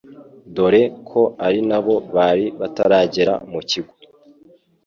dore ko arinabo bari bataragera mu kigo